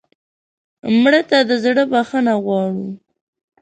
مړه ته د زړه بښنه غواړو